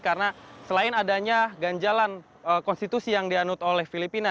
karena selain adanya ganjalan konstitusi yang dianut oleh filipina